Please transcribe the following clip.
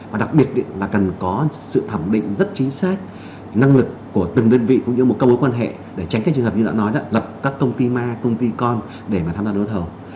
và đặc biệt là cần có sự thẩm định rất chính xác năng lực của từng đơn vị cũng như một các mối quan hệ để tránh các trường hợp như đã nói là lập các công ty ma công ty con để mà tham gia đấu thầu